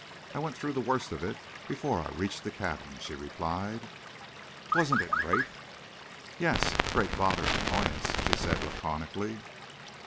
I went through the worst of it before I reached the cabin," she replied. "Wasn't it great?" "Yes—great bother and annoyance," she said, laconically.